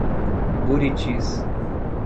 Buritis